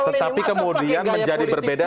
tetapi kemudian menjadi berbeda